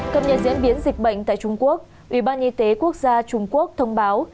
các nhà diễn biến dịch bệnh tại trung quốc ubnd quốc gia trung quốc thông báo